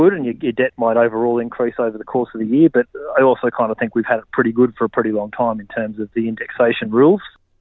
dalam hal hal indeksasi hecs